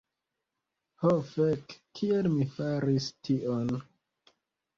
"Ho fek' kiel mi faris tion"